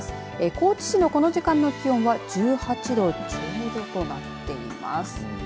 高知市のこの時間の気温は１８度ちょうどとなっています。